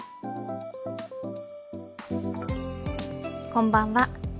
こんばんは。